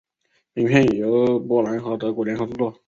本片由波兰和德国联合制作。